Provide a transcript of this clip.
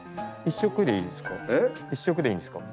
１色でいいですか？